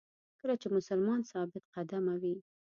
کله چې مسلمان ثابت قدمه وي.